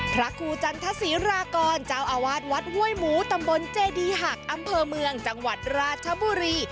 พระครูจันทศิรากรเจ้าอาวาสวัดห้วยหมูตำบลเจดีหักอำเภอเมืองจังหวัดราชบุรี